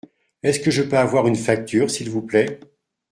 Est-ce que je peux avoir une facture s’il vous plait ?